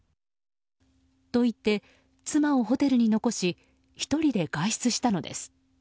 と言って、妻をホテルに残し１人で外出したのです。